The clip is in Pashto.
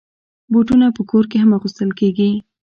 بوټونه په کور کې هم اغوستل کېږي.